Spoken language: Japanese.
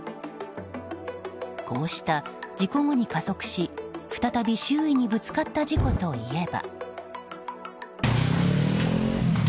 こうした事故後に加速し、再び周囲にぶつかった事故といえば。